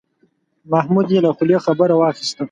محمود یې له خولې خبره واخیسته.